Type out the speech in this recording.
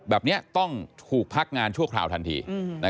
แบบนี้ต้องถูกพักงานชั่วคราวทันที